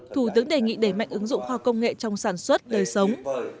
thủ tướng đề nghị để mạnh ứng dụng khoa học công nghệ trong sản xuất đời sống